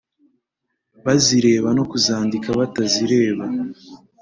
bazireba no kuzandika batazireba;